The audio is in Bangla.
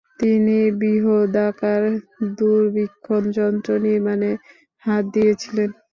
তিনি বৃহদাকার দূরবীক্ষণ যন্ত্র নির্মাণে হাত দিয়েছিলেন।